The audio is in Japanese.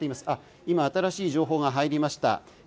あっ今新しい情報が入りました。